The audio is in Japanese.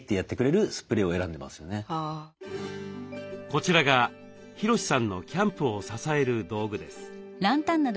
こちらがヒロシさんのキャンプを支える道具です。